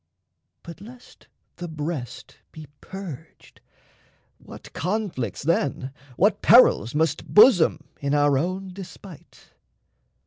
But lest the breast be purged, what conflicts then, What perils, must bosom, in our own despite!